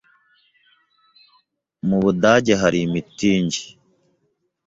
Mu Budage hari imitingi